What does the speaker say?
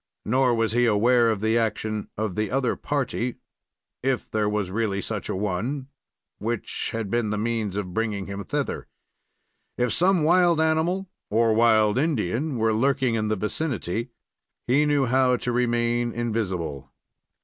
Nor was he aware of the action of the other party, if there was really such a one, which had been the means of bringing him thither. If some wild animal or wild Indian were lurking in the vicinity, he knew how to remain invisible.